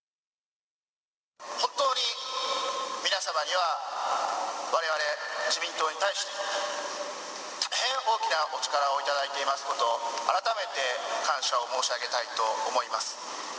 本当に皆様には、われわれ、自民党に対して、大変大きなお力を頂いていますことを改めて感謝を申し上げたいと思います。